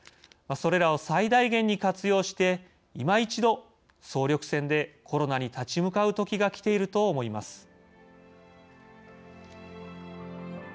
それらを最大限に活用して今一度総力戦でコロナに立ち向かう時が来ていると思います。